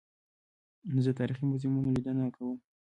زه د تاریخي موزیمونو لیدنه کوم.